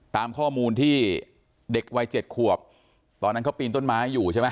ตามข้อมูลที่เด็กวัย๗ขวบตอนนั้นเขาปีนต้นไม้อยู่ใช่ไหม